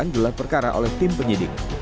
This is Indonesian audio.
dan juga dilakukan gelar perkara oleh tim penyidik